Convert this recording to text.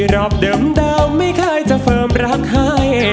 รอบเดิมเดิมไม่เคยจะเฝิมรักแบบให้